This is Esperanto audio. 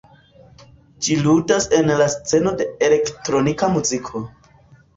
Ĝi ludas en la sceno de elektronika muziko.